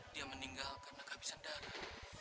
dia meninggal karena kehabisan darah